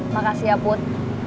makasih ya put